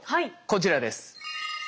こちらです。